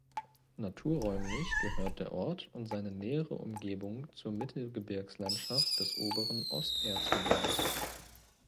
Naturräumlich gehört der Ort und seine nähere Umgebung zur Mittelgebirgslandschaft des oberen Osterzgebirges.